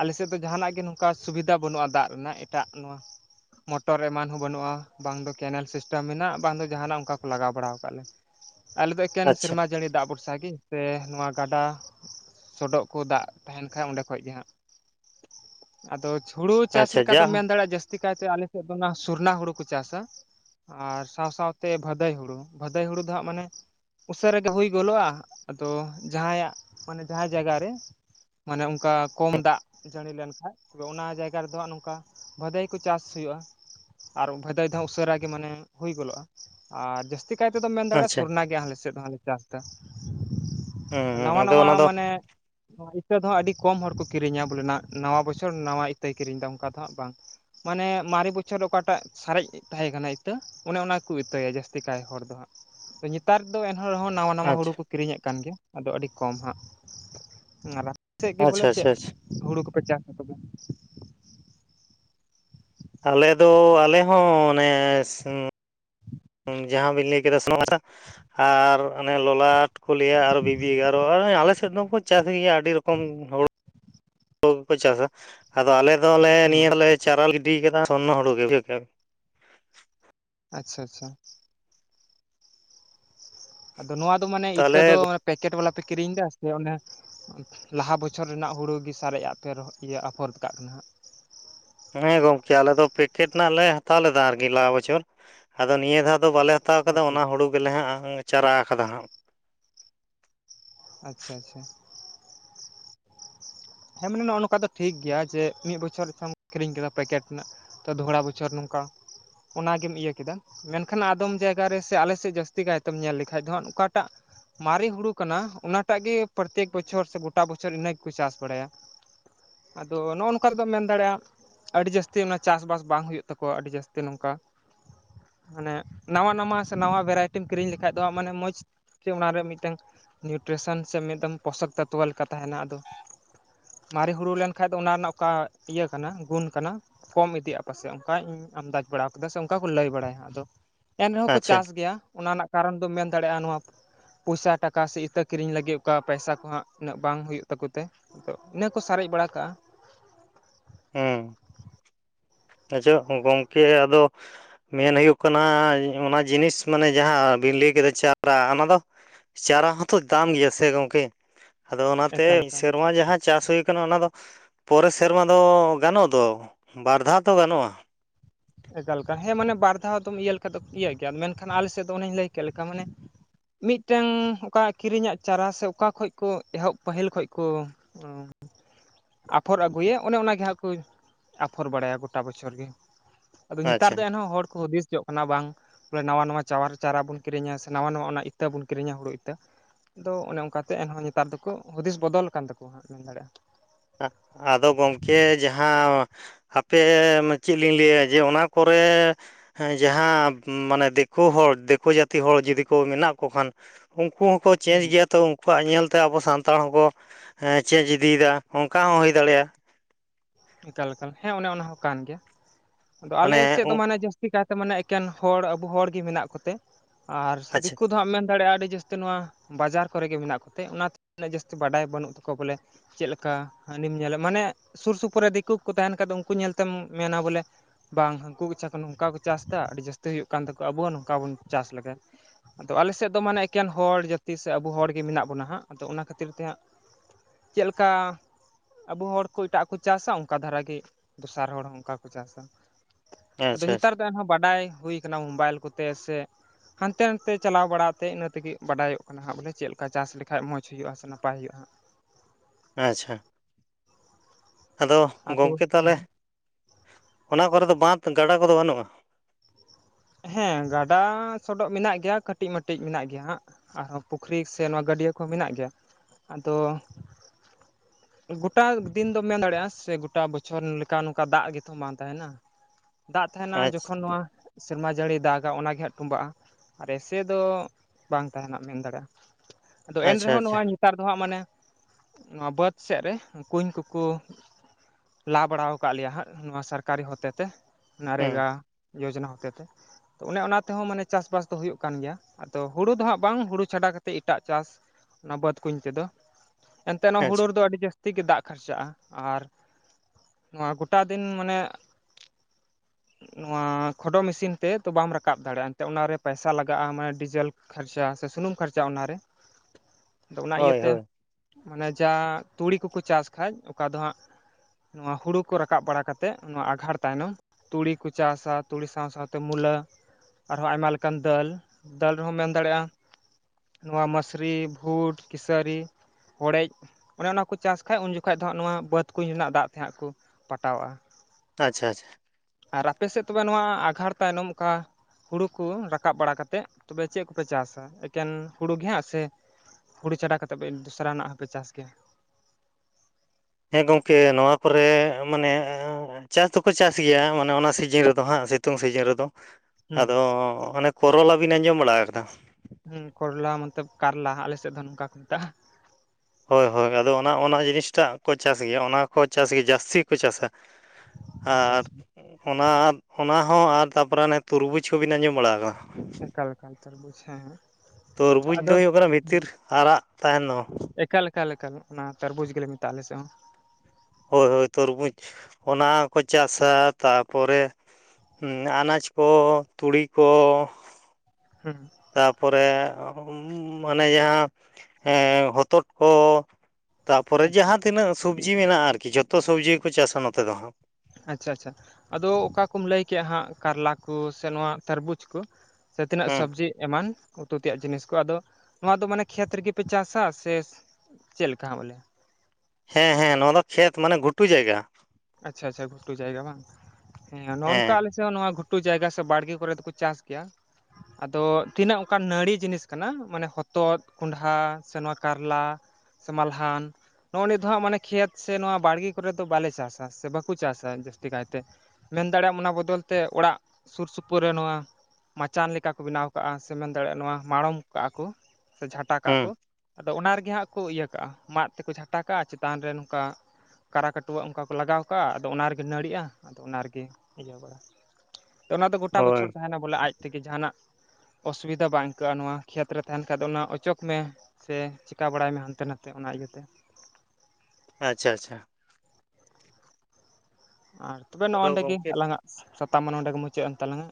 ᱟᱞᱮᱥᱮᱫ ᱫᱚ ᱡᱟᱦᱟᱸᱱᱟᱜ ᱜᱮ ᱱᱚᱝᱠᱟ ᱥᱩᱵᱤᱫᱷᱟ ᱵᱟᱹᱱᱩᱜᱼᱟ ᱫᱟᱜ ᱨᱮᱱᱟᱜ ᱮᱴᱟᱜ ᱱᱚᱣᱟ ᱢᱚᱴᱚᱨ ᱮᱢᱟᱱ ᱦᱚᱸ ᱵᱟᱹᱱᱩᱜᱼᱟ ᱵᱟᱝ ᱫᱚ ᱠᱮᱱᱮᱞ ᱥᱤᱥᱴᱮᱢ ᱢᱮᱱᱟᱜ ᱵᱟᱝ ᱫᱚ ᱡᱟᱦᱟᱱᱟᱜ ᱚᱱᱠᱟ ᱠᱚ ᱞᱟᱜᱟᱣ ᱵᱟᱲᱟ ᱟᱠᱟᱫ ᱞᱮ ᱟᱞᱮ ᱫᱚ ᱮᱠᱮᱱ ᱟᱪᱪᱷᱟ ᱥᱮᱨᱢᱟ ᱡᱟᱹᱲᱤ ᱫᱟᱜ ᱵᱷᱚᱨᱥᱟ ᱜᱮ ᱥᱮ ᱱᱚᱣᱟ ᱜᱟᱰᱟ ᱥᱚᱰᱚᱜ ᱠᱚ ᱫᱟᱜ ᱛᱟᱦᱮᱱ ᱠᱷᱟᱡ ᱚᱸᱰᱮ ᱠᱷᱚᱡ ᱜᱮ ᱦᱟᱜ ᱟᱫᱚ ᱦᱩᱲᱩ ᱪᱟᱥ ᱟᱪᱪᱷᱟ ᱞᱮᱠᱟ ᱡᱟ ᱫᱚᱢ ᱢᱮᱱ ᱫᱟᱲᱮᱭᱟᱜᱼᱟ ᱡᱟᱹᱥᱛᱤ ᱡᱟᱹᱥᱛᱤ ᱠᱟᱭᱛᱮ ᱟᱞᱮᱥᱮᱫ ᱫᱚ ᱚᱱᱟ ᱥᱚᱨᱱᱟ ᱦᱩᱲᱩ ᱠᱚ ᱪᱟᱥᱟ ᱟᱨ ᱥᱟᱶ ᱥᱟᱶᱛᱮ ᱵᱷᱟᱹᱫᱟᱹᱭ ᱦᱩᱲᱩ ᱵᱷᱟᱹᱫᱟᱹᱭ ᱦᱩᱲᱩ ᱫᱚ ᱦᱟᱸᱜ ᱢᱟᱱᱮ ᱩᱥᱟᱹᱨᱟ ᱜᱮ ᱦᱩᱭ ᱜᱚᱫᱚᱜᱼᱟ ᱟᱫᱚ ᱡᱟᱦᱟᱸᱭᱟᱜ ᱢᱟᱱᱮ ᱡᱟᱦᱟᱸ ᱡᱟᱭᱜᱟ ᱨᱮ ᱢᱟᱱᱮ ᱚᱱᱠᱟ ᱠᱚᱢ ᱫᱟᱜ ᱡᱟᱹᱲᱤ ᱞᱮᱱᱠᱷᱟᱡ ᱛᱚᱵᱮ ᱚᱱᱟ ᱡᱟᱭᱜᱟ ᱨᱮᱫᱚ ᱦᱟᱸᱜ ᱱᱚᱝᱠᱟ ᱵᱷᱟᱫᱟᱹᱭ ᱠᱚ ᱪᱟᱥ ᱦᱩᱭᱩᱜᱼᱟ ᱟᱨ ᱵᱷᱟᱫᱟᱹᱭ ᱫᱚ ᱦᱟᱜ ᱩᱥᱟᱹᱨᱟ ᱜᱮ ᱢᱟᱱᱮ ᱦᱩᱭ ᱜᱚᱫᱚᱜᱼᱟ ᱟᱨ ᱡᱟᱹᱥᱛᱤ ᱠᱟᱭ ᱛᱮᱫᱚᱢ ᱢᱮᱱ ᱫᱟᱲᱮᱭᱟᱜᱼᱟ ᱟᱪᱪᱷᱟ ᱥᱚᱨᱱᱟ ᱜᱮ ᱟᱞᱮ ᱥᱮᱫ ᱦᱚᱸᱞᱮ ᱪᱟᱥ ᱮᱫᱟ ᱦᱩᱸ ᱦᱩᱸ ᱱᱟᱣᱟ ᱟᱫᱚ ᱱᱟᱣᱟ ᱚᱱᱟ ᱫᱚ ᱢᱟᱱᱮ ᱤᱛᱟᱹ ᱫᱚ ᱦᱟᱜ ᱟᱹᱰᱤ ᱠᱚᱢ ᱦᱚᱲ ᱠᱚ ᱠᱤᱨᱤᱧᱟ ᱵᱚᱞᱮ ᱱᱟᱣᱟ ᱵᱚᱪᱷᱚᱨ ᱱᱟᱣᱟ ᱤᱛᱟᱹᱭ ᱠᱤᱨᱤᱧ ᱮᱫᱟ ᱚᱱᱠᱟ ᱫᱚ ᱦᱟᱸᱜ ᱵᱟᱝ ᱢᱟᱱᱮ ᱢᱟᱨᱮ ᱵᱚᱪᱷᱚᱨ ᱚᱠᱟᱴᱟᱜ ᱥᱟᱨᱮᱡ ᱛᱟᱦᱮᱸ ᱠᱟᱱᱟ ᱤᱛᱟᱹ ᱚᱱᱮ ᱚᱱᱟ ᱠᱚ ᱤᱛᱟᱹᱭᱟ ᱡᱟᱹᱥᱛᱤ ᱠᱟᱭ ᱦᱚᱲ ᱫᱚ ᱦᱟᱜ ᱟᱫᱚ ᱱᱮᱛᱟᱨ ᱮᱱᱦᱚᱸ ᱨᱮᱦᱚᱸ ᱱᱟᱣᱟ ᱱᱟᱣᱟ ᱦᱩᱲᱩ ᱟᱪᱪᱷᱟ ᱠᱚ ᱠᱤᱨᱤᱧ ᱮᱫ ᱠᱟᱱ ᱜᱮᱭᱟ ᱟᱫᱚ ᱟᱹᱰᱤ ᱠᱚᱢ ᱦᱟᱸᱜ ᱟᱯᱮᱥᱮᱫ ᱜᱮ ᱵᱚᱞᱮ ᱟᱪᱪᱷᱟ ᱪᱮᱫ ᱟᱪᱪᱷᱟ ᱟᱪᱪᱷᱟ ᱦᱩᱲᱩ ᱠᱚᱯᱮ ᱪᱟᱥᱟ ᱛᱚᱵᱮ ᱟᱞᱮ ᱫᱚ ᱟᱞᱮ ᱦᱚᱸ ᱚᱱᱮ ᱡᱟᱦᱟ ᱵᱤᱵ ᱞᱟᱹᱭ ᱠᱮᱫᱟ ᱥᱚᱨᱱᱚ ᱟᱨ ᱚᱱᱮ ᱞᱚᱞᱟᱴ ᱠᱚ ᱞᱟᱹᱭᱟ ᱟᱨᱚ ᱵᱤᱵᱤ ᱟᱨᱚ ᱟᱞᱮᱥᱮᱫ ᱫᱚᱠᱚ ᱪᱟᱥ ᱜᱮᱭᱟ ᱟᱹᱰᱤ ᱨᱚ ᱠᱚᱢ ᱦᱩᱲᱩ ᱜᱮᱠᱚ ᱪᱟᱥᱟ ᱟᱫᱚ ᱟᱞᱮ ᱫᱚᱞᱮ ᱦᱩᱸ ᱱᱤᱭᱟᱹ ᱪᱟᱨᱟ ᱞᱮ ᱜᱤᱰᱤ ᱠᱮᱫᱟ ᱥᱚᱨᱱᱚ ᱦᱩᱲᱩ ᱜᱮ ᱵᱩᱡᱷᱟᱹᱣ ᱠᱮᱫᱟᱵᱤᱱ ᱟᱪᱪᱷᱟ ᱟᱪᱪᱷᱟ ᱟᱫᱚ ᱱᱚᱣᱟ ᱫᱚ ᱢᱟᱱᱮ ᱤᱛᱟᱹ ᱫᱚ ᱛᱟᱦᱚᱞᱮ ᱯᱮᱠᱮᱴ ᱵᱟᱞᱟ ᱯᱮ ᱠᱤᱨᱤᱧ ᱮᱫᱟ ᱥᱮ ᱚᱱᱮ ᱞᱟᱦᱟ ᱵᱚᱪᱷᱚᱨ ᱨᱮᱱᱟᱜ ᱦᱩᱲᱩ ᱜᱮ ᱥᱟᱨᱮᱡᱟᱜ ᱯᱮ ᱟᱯᱷᱚᱨ ᱠᱟᱜ ᱠᱟᱱᱟ ᱦᱟᱸᱜ ᱦᱮᱸ ᱜᱚᱝᱠᱮ ᱟᱞᱮ ᱫᱚ ᱯᱮᱠᱮᱴ ᱨᱮᱱᱟᱜ ᱞᱮ ᱦᱟᱛᱟᱣ ᱞᱮᱫᱟ ᱟᱨᱠᱤ ᱞᱟᱦᱟ ᱵᱚᱪᱷᱚᱨ ᱟᱫᱚ ᱱᱤᱭᱟᱹ ᱫᱷᱟᱣ ᱫᱚ ᱵᱟᱞᱮ ᱦᱟᱛᱟᱣ ᱟᱠᱟᱫᱟ ᱟᱪᱪᱷᱟ ᱚᱱᱟ ᱦᱩᱲᱩ ᱜᱮᱞᱮ ᱦᱟᱸᱜ ᱪᱟᱨᱟ ᱟᱠᱟᱫᱟ ᱦᱟᱸᱜ ᱟᱪᱪᱷᱟ ᱟᱪᱪᱷᱟ ᱦᱮᱸ ᱢᱟᱱᱮ ᱱᱚᱜᱼᱚ ᱱᱚᱝᱠᱟ ᱫᱚ ᱴᱷᱤᱠ ᱜᱮᱭᱟ ᱡᱮ ᱢᱤᱫ ᱵᱚᱪᱷᱚᱨᱚᱢ ᱠᱤᱨᱤᱧ ᱠᱮᱫᱟ ᱯᱮᱠᱮᱴ ᱨᱮᱱᱟᱜ ᱛᱚ ᱫᱚᱦᱚᱲᱟ ᱵᱚᱪᱷᱚᱨ ᱱᱚᱝᱠᱟ ᱚᱱᱟᱜᱮᱢ ᱤᱭᱟᱹ ᱠᱮᱫᱟ ᱢᱮᱱᱠᱷᱟᱱ ᱟᱫᱚᱢ ᱡᱟᱭᱜᱟ ᱨᱮ ᱥᱮ ᱟᱞᱮ ᱥᱮᱫ ᱡᱟᱹᱥᱛᱤ ᱠᱟᱭᱛᱮᱢ ᱧᱮᱞ ᱞᱮᱠᱷᱟᱡ ᱫᱚ ᱦᱟᱜ ᱚᱠᱟᱴᱟᱜ ᱢᱟᱨᱮ ᱦᱩᱲᱩ ᱠᱟᱱᱟ ᱚᱱᱟᱴᱟᱜ ᱜᱮ ᱯᱨᱚᱛᱛᱮᱠ ᱵᱚᱪᱷᱚᱨ ᱥᱮ ᱜᱚᱴᱟ ᱵᱚᱪᱷᱚᱨ ᱤᱱᱟᱹ ᱜᱮᱠᱚ ᱪᱟᱥ ᱵᱟᱲᱟᱭᱟ ᱟᱫᱚ ᱱᱚᱜᱼᱚ ᱱᱚᱝᱠᱟ ᱨᱮᱫᱚᱢ ᱢᱮᱱ ᱫᱟᱲᱮᱭᱟᱜᱼᱟ ᱟᱹᱰᱤ ᱡᱟᱹᱥᱛᱤ ᱚᱱᱟ ᱪᱟᱥᱼᱵᱟᱥ ᱵᱟᱝ ᱦᱩᱭᱩᱜ ᱛᱟᱠᱚᱣᱟ ᱟᱹᱰᱤ ᱡᱟᱹᱥᱛᱤ ᱱᱚᱝᱠᱟ ᱢᱟᱱᱮ ᱱᱟᱣᱟ ᱱᱟᱣᱟ ᱥᱮ ᱱᱟᱣᱟ ᱵᱷᱮᱨᱟᱭᱴᱤᱢ ᱠᱤᱨᱤᱧ ᱞᱮᱠᱷᱟᱡ ᱫᱚ ᱦᱟᱜ ᱢᱟᱱᱮ ᱢᱚᱡᱽ ᱪᱮᱫ ᱚᱱᱟᱨᱮ ᱢᱤᱫᱴᱟᱝ ᱱᱤᱭᱩᱴᱨᱮᱥᱚᱱ ᱥᱮ ᱢᱤᱫᱴᱟᱝ ᱯᱳᱥᱟᱠᱛᱟ ᱛᱩᱣᱟᱞ ᱞᱮᱠᱟ ᱛᱟᱦᱮᱱᱟ ᱟᱫᱚ ᱢᱟᱨᱮ ᱦᱩᱲᱩ ᱞᱮᱱᱠᱷᱟᱱ ᱫᱚ ᱚᱱᱟ ᱨᱮᱱᱟᱜ ᱚᱠᱟ ᱤᱭᱟᱹ ᱠᱟᱱᱟ ᱜᱩᱱ ᱠᱟᱱᱟ ᱠᱚᱢ ᱤᱫᱤᱜᱼᱟ ᱯᱟᱥᱮᱡ ᱚᱱᱠᱟᱧ ᱟᱱᱫᱟᱡᱽ ᱵᱟᱲᱟ ᱟᱠᱟᱫᱟ ᱥᱮ ᱚᱱᱠᱟ ᱠᱚ ᱞᱟᱹᱭ ᱵᱟᱲᱟᱭᱟ ᱟᱫᱚ ᱮᱱ ᱨᱮᱦᱚᱸ ᱠᱚ ᱟᱪᱪᱷᱟ ᱪᱟᱥ ᱜᱮᱭᱟ ᱚᱱᱟ ᱨᱮᱱᱟᱜ ᱠᱟᱨᱚᱱ ᱫᱚᱢ ᱢᱮᱱ ᱫᱟᱲᱮᱭᱟᱜᱼᱟ ᱱᱚᱶᱟ ᱯᱚᱭᱥᱟ ᱴᱟᱠᱟ ᱥᱮ ᱤᱛᱟᱹ ᱠᱤᱨᱤᱧ ᱞᱟᱹᱜᱤᱫ ᱚᱠᱟ ᱯᱚᱭᱥᱟ ᱠᱚᱦᱟᱸᱜ ᱩᱱᱟᱹᱜ ᱵᱟᱝ ᱦᱩᱭᱩᱜ ᱛᱟᱠᱚ ᱛᱮ ᱟᱫᱚ ᱤᱱᱟᱹ ᱠᱚ ᱥᱟᱨᱮᱡ ᱵᱟᱲᱟ ᱠᱟᱜᱼᱟ ᱦᱩᱸ [inaudible] ᱟᱪᱪᱷᱟ ᱜᱚᱝᱠᱮ ᱟᱫᱚ ᱢᱮᱱ ᱦᱩᱭᱩᱜ ᱠᱟᱱᱟ ᱚᱱᱟ ᱡᱤᱱᱤᱥ ᱢᱟᱱᱮ ᱡᱟᱦᱟᱸ ᱵᱤᱱ ᱞᱟᱹᱭ ᱠᱮᱫᱟ ᱪᱟᱨᱟ ᱚᱱᱟ ᱫᱚ ᱪᱟᱨᱟ ᱦᱚᱸᱛᱚ ᱫᱟᱢ ᱜᱮᱭᱟ ᱥᱮ ᱜᱚᱝᱠᱮ ᱟᱫᱚ ᱚᱱᱟ ᱛᱮ ᱮᱠᱟᱞ ᱥᱮᱨᱢᱟ ᱡᱟᱦᱟᱸ ᱪᱟᱥ ᱦᱩᱭ ᱟᱠᱟᱱᱟ ᱚᱱᱟ ᱫᱚ ᱯᱚᱨᱮ ᱥᱮᱨᱢᱟ ᱫᱚ ᱜᱟᱱᱚᱜ ᱫᱚ ᱵᱟᱨ ᱫᱷᱟᱣ ᱛᱚ ᱜᱟᱱᱚᱜᱼᱟ ᱮᱠᱟᱞ ᱮᱠᱟᱞ ᱦᱮᱸ ᱢᱟᱱᱮ ᱵᱟᱨ ᱫᱷᱟᱣ ᱫᱚᱢ ᱤᱭᱟᱹ ᱞᱮᱠᱟ ᱫᱚ ᱤᱭᱟᱹᱜ ᱜᱮᱭᱟ ᱢᱮᱱ ᱠᱷᱟᱱ ᱟᱞᱮ ᱥᱮᱫ ᱫᱚ ᱚᱱᱮᱧ ᱞᱟᱹᱭ ᱠᱮᱫ ᱞᱮᱠᱟ ᱢᱟᱱᱮ ᱢᱤᱫᱴᱟᱹᱝ ᱚᱠᱟ ᱠᱤᱨᱤᱧᱟᱜ ᱪᱟᱨᱟ ᱥᱮ ᱚᱠᱟ ᱠᱷᱚᱡ ᱠᱚ ᱮᱦᱚᱵ ᱯᱟᱹᱦᱤᱞ ᱠᱷᱚᱡ ᱠᱚ ᱚᱸᱻ ᱟᱯᱷᱚᱨ ᱟᱹᱜᱩᱭᱟ ᱚᱱᱮ ᱚᱱᱟ ᱜᱮ ᱦᱟᱸᱜ ᱠᱚ ᱟᱯᱷᱚᱨ ᱵᱟᱲᱟᱭᱟ ᱜᱚᱴᱟ ᱵᱚᱪᱷᱚᱨ ᱜᱮ ᱟᱫᱚ ᱱᱮᱛᱟᱨ ᱟᱪᱪᱷᱟ ᱫᱚ ᱮᱱᱦᱚᱸ ᱦᱚᱲ ᱠᱚ ᱦᱩᱫᱤᱥ ᱧᱚᱜ ᱮᱱᱟ ᱵᱟᱝ ᱱᱟᱣᱟ ᱱᱟᱣᱟ ᱪᱟᱣᱟᱨ ᱪᱟᱨᱟ ᱵᱚᱱ ᱠᱤᱨᱤᱧᱟ ᱥᱮ ᱱᱟᱣᱟ ᱱᱟᱣᱟ ᱤᱛᱟᱹ ᱵᱚᱱ ᱠᱤᱨᱤᱧᱟ ᱦᱳᱲᱳ ᱤᱛᱟᱹ ᱛᱚ ᱚᱱᱮ ᱚᱱᱠᱟ ᱛᱮ ᱮᱱᱦᱚᱸ ᱱᱮᱛᱟᱨ ᱫᱚᱠᱚ ᱦᱩᱫᱤᱥ ᱵᱚᱫᱚᱞ ᱟᱠᱟᱱ ᱛᱟᱠᱚᱣᱟ ᱦᱟᱸᱜ ᱢᱮᱱ ᱫᱟᱲᱮᱭᱟᱜᱼᱟ ᱟᱫᱚ ᱜᱚᱝᱠᱮ ᱡᱟᱦᱟᱸ ᱟᱯᱮ ᱪᱮᱫ ᱞᱤᱧ ᱞᱟᱹᱭᱟ ᱡᱮ ᱚᱱᱟ ᱠᱚᱨᱮ ᱦᱮᱸ ᱡᱟᱦᱟᱸ ᱢᱟᱱᱮ ᱫᱤᱠᱩ ᱦᱚᱲ ᱫᱤᱠᱩ ᱡᱟᱹᱛᱤ ᱦᱚᱲ ᱡᱩᱫᱤ ᱠᱚ ᱢᱮᱱᱟᱜ ᱠᱚ ᱠᱷᱟᱱ ᱩᱱᱠᱩ ᱦᱚᱸᱠᱚ ᱪᱮᱱᱡᱽ ᱦᱩᱸ ᱜᱮᱭᱟ ᱛᱚ ᱩᱱᱠᱩᱣᱟᱜ ᱧᱮᱞ ᱛᱮ ᱟᱵᱚ ᱥᱟᱱᱛᱟᱲ ᱦᱚᱸᱠᱚ ᱪᱮᱱᱡᱽ ᱤᱫᱤᱭᱮᱫᱟ ᱚᱱᱠᱟ ᱦᱚᱸ ᱦᱩᱭ ᱫᱟᱲᱮᱭᱟᱜᱼᱟ ᱮᱠᱟᱞ ᱮᱠᱟᱞ ᱦᱮᱸ ᱚᱱᱮ ᱚᱱᱟ ᱦᱚᱸ ᱠᱟᱱ ᱜᱮᱭᱟ ᱟᱫᱚ ᱟᱞᱮ ᱢᱟᱱᱮ ᱥᱮᱫ ᱫᱚ ᱩᱸ ᱢᱟᱱᱮ ᱡᱟᱹᱥᱛᱤ ᱠᱟᱭᱛᱮ ᱢᱟᱱᱮ ᱮᱠᱷᱮᱱ ᱦᱚᱲ ᱟᱵᱚ ᱦᱚᱲ ᱜᱮ ᱢᱮᱱᱟᱜ ᱠᱚᱛᱮ ᱟᱨ ᱟᱪᱪᱷᱟ ᱫᱤᱠᱩ ᱫᱚ ᱦᱟᱸᱜ ᱢᱮᱱ ᱫᱟᱲᱮᱭᱟᱜᱼᱟ ᱟᱹᱰᱤ ᱡᱟᱹᱥᱛᱤ [unintelligible] ᱱᱚᱣᱟ ᱵᱟᱡᱟᱨ ᱠᱚᱨᱮ ᱜᱮ ᱢᱮᱱᱟᱜ ᱠᱚᱛᱮ ᱚᱱᱟ ᱛᱮ ᱩᱱᱟᱹᱜ ᱡᱟᱹᱥᱛᱤ ᱵᱟᱰᱟᱭ ᱵᱟᱹᱱᱩᱜ ᱛᱟᱠᱚᱣᱟ ᱵᱚᱞᱮ ᱪᱮᱫ ᱞᱮᱠᱟ ᱦᱟᱹᱱᱤᱢ ᱧᱮᱞᱟ ᱢᱟᱱᱮ ᱥᱩᱨ ᱥᱩᱯᱩᱨ ᱨᱮ ᱫᱤᱠᱩ ᱠᱚᱠᱚ ᱛᱟᱦᱮᱱ ᱠᱷᱟᱱ ᱩᱱᱠᱩ ᱧᱮᱞ ᱛᱮᱢ ᱢᱮᱱᱟ ᱵᱚᱞᱮ ᱵᱟᱝ ᱦᱟᱹᱱᱠᱩ ᱠᱚ ᱟᱪᱪᱷᱟ ᱠᱚ ᱱᱚᱝᱠᱟ ᱠᱚ ᱪᱟᱥ ᱮᱫᱟ ᱟᱹᱰᱤ ᱡᱟᱹᱥᱛᱤ ᱦᱩᱭᱩᱜ ᱠᱟᱱ ᱛᱟᱠᱚᱣᱟ ᱟᱵᱚ ᱦᱚᱸ ᱱᱚᱝᱠᱟ ᱵᱚᱱ ᱪᱟᱥ ᱞᱮᱜᱮ ᱟᱫᱚ ᱟᱞᱮ ᱥᱮᱫ ᱫᱚ ᱢᱟᱱᱮ ᱮᱠᱮᱱ ᱦᱚᱲ ᱡᱟᱹᱛᱤ ᱥᱮ ᱟᱵᱚ ᱦᱚᱲ ᱜᱮ ᱢᱮᱱᱟᱜ ᱵᱚᱱᱟ ᱦᱟᱸᱜ ᱟᱫᱚ ᱚᱱᱟ ᱠᱷᱟᱹᱛᱤᱨ ᱛᱮ ᱦᱟᱸᱜ ᱪᱮᱫ ᱞᱮᱠᱟ ᱟᱵᱚ ᱦᱚᱲ ᱠᱚ ᱮᱴᱟᱜ ᱠᱚ ᱠᱚ ᱪᱟᱥᱟ ᱚᱱᱠᱟ ᱫᱷᱟᱨᱟ ᱜᱮ ᱫᱚᱥᱟᱨ ᱦᱚᱲ ᱦᱚᱸ ᱚᱱᱠᱟ ᱠᱚ ᱪᱟᱥᱟ ᱟᱫᱚ ᱟᱪᱪᱷᱟ ᱱᱮᱛᱟᱨ ᱟᱪᱪᱷᱟ ᱫᱚ ᱮᱱᱦᱚᱸ ᱵᱟᱰᱟᱭ ᱦᱩᱭ ᱟᱠᱟᱱᱟ ᱢᱳᱵᱟᱭᱤᱞ ᱠᱚᱛᱮ ᱥᱮ ᱦᱟᱱᱛᱮ ᱱᱷᱟᱛᱮ ᱪᱟᱞᱟᱣ ᱵᱟᱲᱟ ᱛᱮ ᱤᱱᱟᱹ ᱛᱮᱜᱮ ᱵᱟᱰᱟᱭᱚᱜ ᱠᱟᱱᱟ ᱦᱟᱸᱜ ᱵᱚᱞᱮ ᱪᱮᱫ ᱞᱮᱠᱟ ᱪᱟᱥ ᱞᱮᱠᱷᱟᱡ ᱢᱚᱸᱡᱽ ᱦᱩᱭᱩᱜᱼᱟ ᱱᱟᱯᱟᱭ ᱦᱩᱭᱩᱜᱼᱟ ᱟᱪᱪᱷᱟ ᱟᱫᱚ ᱜᱚᱢᱠᱮ ᱛᱟᱦᱚᱞᱮ ᱚᱱᱟ ᱠᱚᱨᱮ ᱫᱚ ᱵᱟᱸᱫᱷ ᱜᱟᱰᱟ ᱠᱚᱫᱚ ᱵᱟᱹᱱᱩᱜᱼᱟ ᱦᱮᱸ ᱜᱟᱰᱟ ᱥᱚᱰᱚᱜ ᱢᱮᱱᱟᱜ ᱜᱮᱭᱟ ᱠᱟᱹᱴᱤᱡ ᱢᱟᱹᱴᱤᱡ ᱢᱮᱱᱟᱜ ᱜᱮᱭᱟ ᱦᱟᱸᱜ ᱟᱨᱦᱚᱸ ᱯᱩᱠᱷᱨᱤ ᱥᱮ ᱱᱚᱣᱟ ᱜᱟᱹᱰᱭᱟᱹ ᱠᱚ ᱢᱮᱱᱟᱜ ᱜᱮᱭᱟ ᱟᱫᱚ ᱜᱚᱴᱟ ᱫᱤᱱ ᱫᱚᱢ ᱢᱮᱱ ᱫᱟᱲᱮᱭᱟᱜᱼᱟ ᱥᱮ ᱜᱚᱴᱟ ᱵᱚᱪᱷᱚᱨ ᱞᱮᱠᱟ ᱱᱚᱝᱠᱟ ᱫᱟᱜ ᱜᱮᱛᱚ ᱵᱟᱝ ᱛᱟᱦᱮᱱᱟ ᱫᱟᱜ ᱛᱟᱦᱮᱱᱟ ᱟᱪᱪᱷᱟ ᱡᱚᱠᱷᱚᱱ ᱱᱚᱣᱟ ᱥᱮᱨᱢᱟ ᱡᱟᱹᱲᱤ ᱫᱟᱜᱟ ᱚᱱᱟ ᱜᱮ ᱦᱟᱸᱜ ᱴᱚᱸᱵᱟᱜᱼᱟ ᱟᱨ ᱮᱥᱥᱮ ᱫᱚ ᱵᱟᱝ ᱛᱟᱦᱮᱱᱟ ᱢᱮᱱ ᱫᱟᱲᱮᱭᱟᱜᱼᱟ ᱟᱫᱚ ᱮᱱ ᱟᱪᱪᱷᱟ ᱨᱮᱦᱚᱸ ᱟᱪᱪᱷᱟ ᱱᱚᱣᱟ ᱱᱮᱛᱟᱨ ᱫᱚ ᱦᱟᱸᱜ ᱢᱟᱱᱮ ᱱᱚᱣᱟ ᱵᱟᱹᱫᱽ ᱥᱮᱜ ᱨᱮ ᱠᱩᱧ ᱠᱚᱠᱚ ᱞᱟ ᱵᱟᱲᱟᱣ ᱠᱟᱜ ᱞᱮᱭᱟ ᱦᱟᱸᱜ ᱱᱚᱣᱟ ᱥᱚᱨᱠᱟᱨᱤ ᱦᱚᱛᱮ ᱛᱮ ᱱᱟᱨᱮᱜᱟ ᱦᱩᱸ ᱡᱳᱡᱚᱱᱟ ᱦᱚᱛᱮ ᱛᱮ ᱛᱚ ᱚᱱᱮ ᱚᱱᱟ ᱛᱮᱦᱚᱸ ᱢᱟᱱᱮ ᱪᱟᱥ ᱵᱟᱥ ᱫᱚ ᱦᱩᱭᱩᱜ ᱠᱟᱱ ᱜᱮᱭᱟ ᱟᱫᱚ ᱦᱳᱲᱳ ᱫᱚ ᱦᱟᱸᱜ ᱵᱟᱝ ᱦᱳᱲᱳ ᱪᱷᱟᱰᱟ ᱠᱟᱛᱮᱫ ᱮᱴᱟᱜ ᱪᱟᱥ ᱚᱱᱟ ᱵᱟᱹᱫᱷ ᱠᱩᱧ ᱛᱮᱫᱚ ᱮᱱᱛᱮ ᱱᱚᱣᱟ ᱦᱳᱲᱳ ᱟᱪᱪᱷᱟ ᱨᱮᱫᱚ ᱟᱹᱰᱤ ᱡᱟᱹᱥᱛᱤ ᱡᱟᱹᱥᱛᱤ ᱜᱮ ᱫᱟᱜ ᱠᱷᱟᱨᱪᱟᱜᱼᱟ ᱟᱨ ᱱᱚᱣᱟ ᱜᱚᱴᱟ ᱫᱤᱱ ᱢᱟᱱᱮ ᱱᱚᱣᱟ ᱠᱷᱚᱰᱚ ᱢᱤᱥᱼᱼ ᱢᱤᱥᱤᱱ ᱛᱮ ᱛᱚ ᱵᱟᱢ ᱨᱟᱠᱟᱵ ᱫᱟᱲᱮᱭᱟᱜᱼᱟ ᱮᱱᱛᱮ ᱚᱱᱟ ᱨᱮ ᱯᱟᱭᱥᱟ ᱞᱟᱜᱟᱜᱼᱟ ᱢᱟᱱᱮ ᱰᱤᱡᱮᱞ ᱠᱷᱟᱨᱪᱟ ᱥᱮ ᱥᱩᱱᱩᱢ ᱠᱷᱟᱨᱪᱟ ᱚᱱᱟ ᱨᱮ ᱟᱫᱚ ᱚᱱᱟ ᱤᱭᱟᱹ ᱦᱳᱭ ᱛᱮ ᱦᱳᱭ ᱢᱟᱱᱮ ᱡᱟ ᱛᱩᱲᱤ ᱠᱚᱠᱚ ᱪᱟᱥ ᱠᱷᱟᱡ ᱚᱠᱟ ᱫᱚ ᱦᱟᱸᱜ ᱱᱚᱣᱟ ᱦᱩᱲᱩ ᱠᱚ ᱨᱟᱠᱟᱵ ᱵᱟᱲᱟ ᱠᱟᱛᱮᱜ ᱱᱚᱣᱟ ᱟᱜᱷᱟᱲ ᱛᱟᱭᱱᱚᱢ ᱛᱩᱲᱤ ᱠᱚ ᱪᱟᱥᱟ ᱛᱩᱲᱤ ᱥᱟᱶ ᱥᱟᱶ ᱛᱮ ᱢᱩᱞᱟᱹ ᱟᱨᱦᱚᱸ ᱟᱭᱢᱟ ᱞᱮᱠᱟᱱ ᱫᱟᱹᱞ ᱫᱟᱹᱞ ᱨᱮᱦᱚᱸ ᱢᱮᱱ ᱫᱟᱲᱮᱭᱟᱜᱼᱟ ᱱᱚᱣᱟ ᱢᱟᱥᱨᱤ ᱵᱷᱩᱴ ᱠᱮᱥᱟᱹᱨᱤ ᱦᱚᱲᱮᱡ ᱚᱱᱮ ᱚᱱᱟ ᱠᱚ ᱪᱟᱥ ᱠᱷᱟᱡ ᱩᱱ ᱡᱚᱠᱷᱟᱡ ᱫᱚ ᱦᱟᱸᱜ ᱱᱚᱣᱟ ᱵᱟᱹᱫᱽ ᱠᱩᱧ ᱨᱮᱱᱟᱜ ᱫᱟᱜ ᱛᱮᱦᱟᱸᱜ ᱠᱚ ᱯᱟᱴᱟᱣᱟᱜᱼᱟ ᱟᱪᱪᱷᱟ ᱟᱪᱪᱷᱟ ᱟᱨ ᱟᱯᱮ ᱥᱮᱫ ᱛᱚᱵᱮ ᱱᱚᱣᱟ ᱟᱜᱷᱟᱬ ᱛᱟᱭᱱᱚᱢ ᱚᱠᱟ ᱦᱩᱲᱩ ᱠᱚ ᱨᱟᱠᱟᱵ ᱵᱟᱲᱟ ᱠᱟᱛᱮ ᱛᱚᱵᱮ ᱪᱮᱫ ᱠᱚᱯᱮ ᱪᱟᱥᱟ ᱮᱠᱮᱱ ᱦᱩᱲᱩ ᱜᱮ ᱦᱟᱸᱜ ᱥᱮ ᱦᱩᱲᱩ ᱪᱷᱟᱰᱟ ᱠᱟᱛᱮᱫ ᱵᱮᱱ ᱫᱩᱥᱨᱟ ᱱᱟᱜ ᱦᱚᱸᱯᱮ ᱪᱟᱥ ᱠᱮᱭᱟ ᱦᱮᱸ ᱜᱚᱝᱠᱮ ᱱᱚᱣᱟ ᱯᱚᱨᱮ ᱢᱟᱱᱮ ᱪᱟᱥ ᱫᱚᱠᱚ ᱪᱟᱥ ᱜᱮᱭᱟ ᱢᱟᱱᱮ ᱚᱱᱟ ᱥᱤᱡᱤᱱ ᱨᱮᱫᱚ ᱦᱟᱸᱜ ᱥᱤᱛᱩᱝ ᱥᱤᱡᱟᱹᱱ ᱨᱮᱫᱚ ᱦᱩᱸ ᱟᱫᱚ ᱚᱱᱮ ᱠᱚᱨᱚᱞᱟ ᱵᱤᱱ ᱟᱸᱡᱚᱢ ᱵᱟᱲᱟ ᱟᱠᱟᱫᱟ ᱦᱩᱸ ᱠᱚᱨᱞᱟ ᱢᱚᱛᱟᱵ ᱠᱟᱨᱞᱟ ᱟᱞᱮ ᱥᱮᱫ ᱫᱚ ᱱᱚᱝᱠᱟ ᱠᱚ ᱢᱮᱛᱟᱜᱼᱟ ᱦᱳᱭ ᱦᱳᱭ ᱟᱫᱚ ᱚᱱᱟ ᱚᱱᱟ ᱡᱤᱱᱤᱥᱴᱟᱜ ᱠᱚ ᱪᱟᱥ ᱜᱮᱭᱟ ᱚᱱᱟ ᱠᱚ ᱪᱟᱥ ᱜᱤ ᱡᱟᱹᱥᱛᱤ ᱠᱚ ᱪᱟᱥᱟ ᱟᱪᱪᱷᱟ ᱟᱨ ᱟᱪᱪᱷᱟ ᱚᱱᱟ ᱚᱱᱟ ᱦᱚᱸ ᱟᱨ ᱛᱟᱨᱯᱚᱨᱮ ᱚᱱᱮ ᱛᱩᱨᱵᱩᱡᱽ ᱠᱚᱵᱤᱱ ᱟᱸᱡᱚᱢ ᱵᱟᱲᱟ ᱠᱟᱜᱼᱟ ᱮᱠᱟᱞ ᱮᱠᱟᱞ ᱛᱟᱨᱵᱩᱡᱽ ᱦᱮᱸ ᱛᱚᱨᱵᱩᱡᱽ ᱫᱚ ᱟᱫᱚ ᱦᱩᱭᱩᱜ ᱠᱟᱱᱟ ᱵᱷᱤᱛᱤᱨ ᱟᱨᱟᱜ ᱛᱟᱦᱮᱱ ᱱᱚᱜ ᱮᱠᱟᱞ ᱮᱠᱟᱞ ᱮᱠᱟᱞ ᱚᱱᱟ ᱛᱟᱨᱵᱩᱡᱽ ᱜᱮᱞᱮ ᱢᱮᱛᱟᱜ ᱟᱞᱮᱥᱮᱫ ᱦᱚᱸ ᱦᱳᱭ ᱦᱳᱭ ᱛᱚᱨᱵᱩᱡᱽ ᱚᱱᱟᱠᱚ ᱪᱟᱥᱟ ᱛᱟᱯᱚᱨᱮ ᱦᱩᱸ ᱟᱱᱟᱡᱽ ᱠᱚ ᱛᱩᱲᱤ ᱠᱚ ᱦᱩᱸ ᱛᱟᱯᱚᱨᱮ ᱢᱟᱱᱮᱭᱟ ᱮᱸ ᱦᱚᱛᱚᱫ ᱠᱚ ᱛᱟᱯᱚᱨᱮ ᱟᱪᱪᱷᱟ ᱡᱟᱦᱟᱸ ᱛᱤᱱᱟᱹᱜ ᱥᱚᱵᱽᱡᱤ ᱢᱮᱱᱟᱜᱼᱟ ᱟᱨᱠᱤ ᱡᱚᱛᱚ ᱥᱚᱵᱽᱡᱤ ᱜᱮᱠᱚ ᱪᱟᱥᱟ ᱱᱚᱛᱮ ᱫᱚ ᱦᱟᱸᱜ ᱟᱪᱪᱷᱟ ᱟᱪᱪᱷᱟ ᱟᱫᱚ ᱚᱠᱟ ᱠᱚᱢ ᱞᱟᱹᱭ ᱠᱮᱜᱼᱟ ᱦᱟᱸᱜ ᱠᱟᱨᱞᱟ ᱠᱚ ᱥᱮ ᱱᱚᱣᱟ ᱛᱟᱨᱵᱩᱡᱽ ᱠᱚ ᱥᱮ ᱛᱤᱱᱟᱹᱜ ᱦᱩᱸ ᱥᱟᱵᱽᱡᱤ ᱮᱢᱟᱱ ᱩᱛᱩ ᱛᱮᱭᱟᱜ ᱡᱤᱱᱤᱥ ᱠᱚ ᱟᱫᱚ ᱱᱚᱣᱟ ᱫᱚ ᱢᱟᱱᱮ ᱠᱷᱮᱛ ᱨᱮᱜᱤ ᱯᱮ ᱪᱟᱥᱟ ᱥᱮ ᱪᱮᱫ ᱞᱮᱠᱟ ᱦᱟᱸᱜ ᱵᱚᱞᱮ ᱦᱮᱸ ᱦᱮᱸ ᱱᱚᱣᱟ ᱫᱚ ᱠᱷᱮᱛ ᱢᱟᱱᱮ ᱜᱷᱩᱴᱩ ᱡᱟᱭᱜᱟ ᱟᱪᱪᱷᱟ ᱟᱪᱪᱷᱟ ᱜᱷᱩᱴᱩ ᱡᱟᱭᱜᱟ ᱵᱟᱝ ᱦᱮᱸ ᱱᱚᱜᱼᱚᱭ ᱱᱚᱝᱠᱟ ᱟᱞᱮ ᱪᱚᱸ ᱱᱚᱣᱟ ᱜᱷᱩᱴᱩ ᱡᱟᱭᱜᱟ ᱥᱮ ᱵᱟᱲᱜᱮ ᱠᱚᱨᱮ ᱫᱚᱠᱚ ᱪᱟᱥ ᱜᱮᱭᱟ ᱟᱫᱚ ᱛᱤᱱᱟᱹᱜ ᱚᱱᱠᱟᱱ ᱱᱟᱹᱲᱤ ᱡᱤᱱᱤᱥ ᱠᱟᱱᱟ ᱢᱟᱱᱮ ᱦᱚᱛᱚᱫ ᱠᱚᱸᱰᱦᱷᱟ ᱥᱮ ᱱᱚᱣᱟ ᱠᱟᱨᱞᱟ ᱥᱮ ᱢᱟᱞᱦᱟᱱ ᱱᱚᱜᱼᱚᱭ ᱱᱤᱭᱟᱹ ᱫᱚ ᱦᱟᱸᱜ ᱢᱟᱱᱮ ᱠᱷᱮᱛ ᱥᱮ ᱱᱚᱣᱟ ᱵᱟᱲᱜᱮ ᱠᱚᱨᱮ ᱫᱚ ᱵᱟᱞᱮ ᱪᱟᱥ ᱪᱟᱥ ᱥᱮ ᱵᱟᱠᱩ ᱪᱟᱥᱟ ᱡᱟᱹᱥᱛᱤ ᱠᱟᱭᱛᱮ ᱢᱮᱱ ᱫᱟᱲᱮ ᱟᱢ ᱚᱱᱟ ᱵᱚᱫᱚᱞᱛᱮ ᱚᱲᱟᱜ ᱥᱩᱨ ᱥᱩᱯᱩᱨ ᱨᱮ ᱱᱚᱣᱟ ᱢᱟᱪᱟᱱ ᱞᱮᱠᱟ ᱠᱚ ᱵᱮᱱᱟᱣ ᱠᱟᱜᱼᱟ ᱥᱮ ᱢᱮᱱ ᱫᱟᱲᱮᱭᱟᱜᱼᱟ ᱱᱚᱣᱟ ᱢᱟᱲᱚᱢ ᱠᱟᱜᱼᱟ ᱠᱚ ᱥᱮ ᱡᱷᱟᱴᱟ ᱠᱟᱜᱼᱟ ᱠᱚ ᱦᱩᱸ ᱟᱫᱚ ᱚᱱᱟ ᱨᱮᱜᱮ ᱦᱟᱸᱜ ᱠᱚ ᱤᱭᱟᱹ ᱠᱟᱜᱼᱟ ᱢᱟᱫ ᱛᱮᱠᱚ ᱡᱷᱟᱴᱟ ᱠᱟᱜᱼᱟ ᱪᱮᱛᱟᱱ ᱨᱮ ᱱᱚᱝᱠᱟ ᱠᱟᱨᱟ ᱠᱟᱹᱴᱩᱣᱟᱹᱜ ᱚᱱᱠᱟ ᱠᱚ ᱞᱟᱜᱟᱣ ᱠᱟᱜᱼᱟ ᱟᱫᱚ ᱚᱱᱟ ᱨᱮᱜᱤ ᱱᱟᱹᱲᱤᱜᱼᱟ ᱟᱫᱚ ᱚᱱᱟ ᱨᱮᱜᱮ ᱤᱭᱟᱹ ᱵᱟᱲᱟ ᱛᱚ ᱚᱱᱟ ᱫᱚ ᱜᱚᱴᱟ ᱵᱚᱪᱷᱚᱨ ᱦᱳᱭ ᱛᱟᱦᱮᱱᱼᱟ ᱵᱚᱞᱮ ᱟᱡ ᱛᱮᱜᱮ ᱡᱟᱦᱟᱱᱼᱟᱜ ᱚᱥᱩᱵᱤᱫᱷᱟ ᱵᱟᱝ ᱟᱹᱭᱠᱟᱹᱜᱼᱟ ᱱᱚᱣᱟ ᱠᱷᱮᱛ ᱨᱮ ᱛᱟᱦᱮᱱ ᱠᱷᱟᱱ ᱫᱚ ᱚᱱᱟ ᱚᱪᱚᱜ ᱢᱮ ᱥᱮ ᱪᱤᱠᱟ ᱵᱟᱲᱟᱭ ᱢᱮ ᱦᱟᱱᱛᱮ ᱱᱟᱛᱮ ᱚᱱᱟ ᱤᱭᱟᱹᱛᱮ ᱟᱪᱪᱷᱟ ᱟᱪᱪᱷᱟ ᱟᱨ ᱛᱚᱵᱮ ᱱᱚᱜ ᱟᱫᱚ ᱱᱚᱸᱰᱮ ᱜᱮ ᱜᱚᱢᱠᱮ ᱟᱞᱟᱝᱼᱟᱜ ᱥᱟᱛᱟᱢ ᱢᱟ ᱱᱚᱸᱰᱮ ᱜᱮ ᱢᱩᱪᱟᱹᱫ ᱮᱱ ᱛᱟᱞᱟᱝᱟ